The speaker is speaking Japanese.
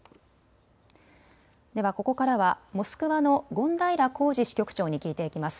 では、ここからはモスクワの権平恒志支局長に聞いていきます。